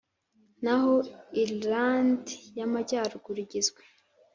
naho Irilande y Amajyaruguru igizwe